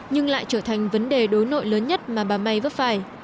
nhưng lại trở thành vấn đề đối nội lớn nhất mà bà may vấp phải